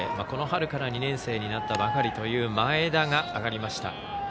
この春から２年生になったばかりという前田が上がりました。